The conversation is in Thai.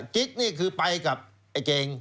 กิ๊กนี่คือไปกับไอ้เก่ง